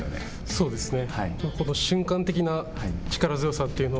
そうですね。